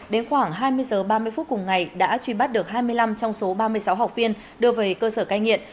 đến khoảng hai mươi h ba mươi phút cùng ngày đã truy bắt được hai mươi năm trong số ba mươi sáu học viên đưa về cơ sở cai nghiện